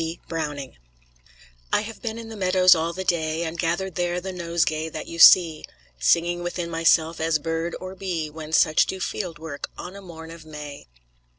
BROWNING I have been in the meadows all the day, And gathered there the nosegay that you see; Singing within myself as bird or bee When such do fieldwork on a morn of May.